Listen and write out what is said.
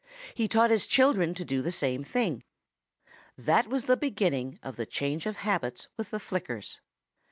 He taught his children to do the same thing. That was the beginning of the change of habits with the Flickers.